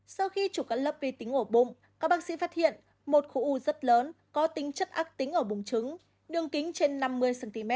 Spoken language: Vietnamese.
sau khi chụp các lớp vi tính ổ bụng các bác sĩ phát hiện một khu u rất lớn có tính chất ác tính ở bù trứng đường kính trên năm mươi cm